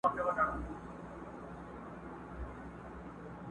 یوه ږغ کړه چي ګوربت ظالم مرغه دی؛